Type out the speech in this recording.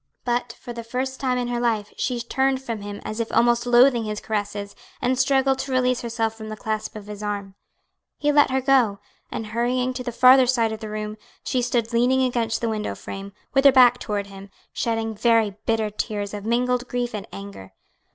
But for the first time in her life she turned from him as if almost loathing his caresses, and struggled to release herself from the clasp of his arm. He let her go, and hurrying to the farther side of the room, she stood leaning against the window frame, with her back toward him, shedding very bitter tears of mingled grief and anger.